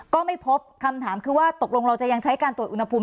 ก็ไม่พบคำถามคือว่าตกลงเราจะยังใช้การตรวจอุณหภูมิ